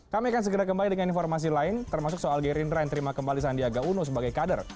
kami akan segera kembali dengan informasi lain termasuk soal gerindra yang terima kembali sandiaga uno sebagai kader